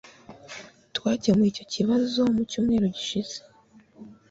Twakemuye icyo kibazo mu cyumweru gishize